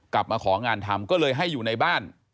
กลับมาของานทำก็เลยให้อยู่ในบ้าน